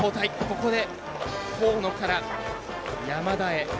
ここで河野から山田へ。